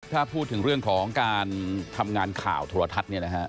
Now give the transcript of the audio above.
ถ้าพูดถึงเรื่องของการทำงานข่าวโทรทัศน์